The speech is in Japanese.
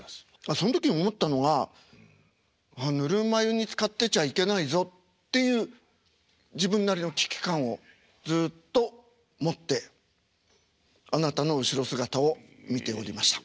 その時に思ったのがぬるま湯につかってちゃいけないぞっていう自分なりの危機感をずっと持ってあなたの後ろ姿を見ておりました。